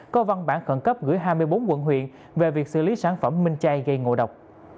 có văn bản khẩn cấp gửi hai mươi bốn quận huyện về việc xử lý sản phẩm minh chay gây ngộ độc